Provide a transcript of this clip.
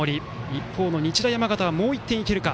一方の日大山形はもう１点行けるか。